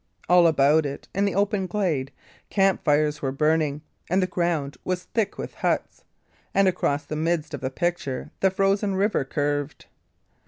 All about it, in the open glade, camp fires were burning, and the ground was thick with huts; and across the midst of the picture the frozen river curved.